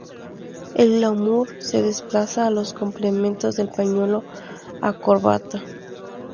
El glamour se desplaza a los complementos del pañuelo o corbata.